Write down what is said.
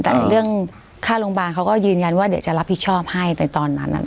แต่เรื่องค่าโรงพยาบาลเขาก็ยืนยันว่าเดี๋ยวจะรับผิดชอบให้ในตอนนั้น